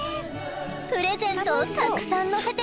プレゼントをたくさん載せてますね！